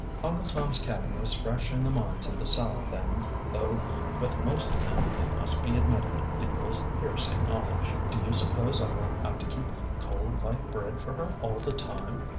" Uncle Tom's Cabin " was fresh in the minds of the South then, though with most of them, it must be admitted, it was hearsay knowledge. Do you suppose I will have to keep cold light bread for her all the time?